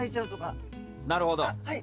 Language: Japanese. なるほど。